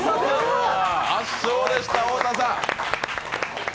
圧勝でした太田さん。